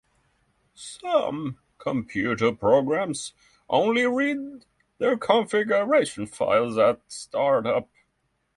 Some computer programs only read their configuration files at startup.